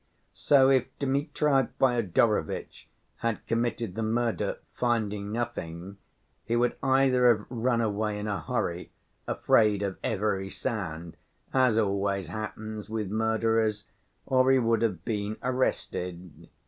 So if Dmitri Fyodorovitch had committed the murder, finding nothing, he would either have run away in a hurry, afraid of every sound, as always happens with murderers, or he would have been arrested.